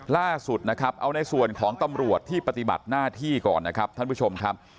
ล่าสุดนะครับเอาในส่วนของตำรวจที่ปฏิบัติหน้าที่ก่อนนะครับท่านผู้ชมครับ